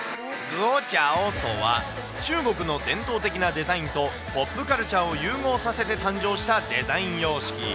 グオチャオとは、中国の伝統的なデザインと、ポップカルチャーを融合させて誕生したデザイン様式。